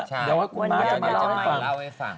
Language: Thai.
ใช่วันเวลาจะมาให้เล่าให้ฟัง